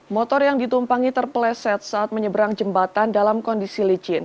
motor yang ditumpangi terpleset saat menyeberang jembatan dalam kondisi licin